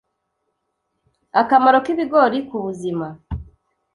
Akamaro k’ibigori ku buzima